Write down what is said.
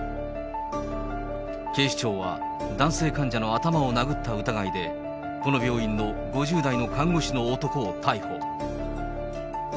警視庁は、男性患者の頭を殴った疑いで、この病院の５０代の看護師の男を逮捕。